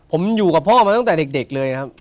ผมอยู่กับพ่อมาตั้งแต่เด็กเลยครับ